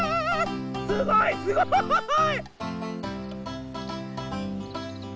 すごいすごい！